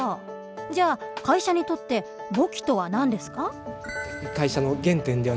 じゃあ会社にとって簿記とは何ですか？